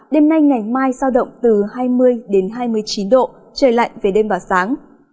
đêm nay ngày mai sao động từ hai mươi hai mươi chín độ trời lạnh về đêm và sáng